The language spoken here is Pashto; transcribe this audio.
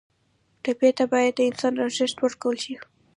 ټپي ته باید د انسان ارزښت ورکړل شي.